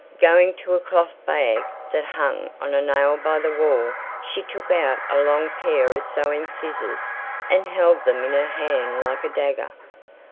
Going to a cloth bag that hung on a nail by the wall she took out a long pair of sewing scissors and held them in her hand like a dagger.